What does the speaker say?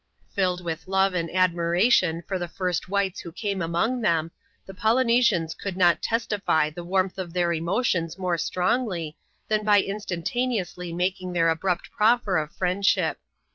Filled with love and admiration for the first whites who came among them, the Polynesians could not testify the warmth of their emotions more strongly, than by instantaneously making their abrupt proffer of friendship.